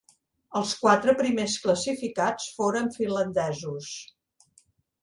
Els quatre primers classificats foren finlandesos.